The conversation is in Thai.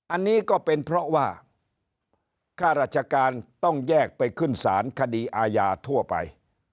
อันนี้ก็เป็นเพราะว่าค่าราชการต้องแยกไปขึ้นศาลคดีอาญาทั่วไป